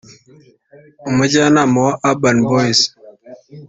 umujyanama wa Urban Boyz